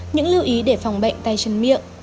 những lưu ý để phòng bệnh tay chân miệng